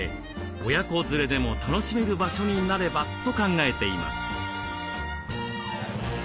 「親子連れでも楽しめる場所になれば」と考えています。